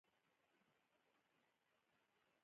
زړه د نفس او روح اړیکه ده.